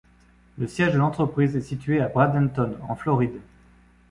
Le siège de l'entreprise est situé à Bradenton en Floride.